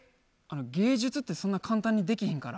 芸術ってそんな簡単にできひんから。